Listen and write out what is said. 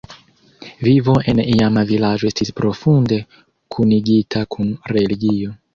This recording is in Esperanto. Vivo en iama vilaĝo estis profunde kunigita kun religio.